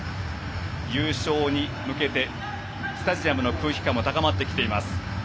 優勝に向けてスタジアムの空気感も高まってきています。